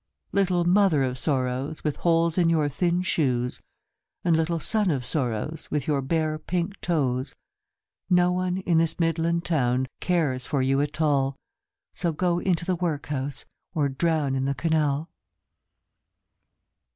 Little mother of sorrows With holes in your thin shoes, And little son of sorrows With your bare pink toes, No one in this midland town Cares for you at all, So go into the workhouse, Or drown in the canal.